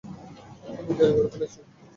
তুমি দেরী করে ফেলেছো!